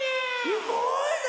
すごいね！